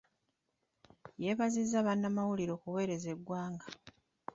Yeebazizza bannamawulire okuweereza eggwanga .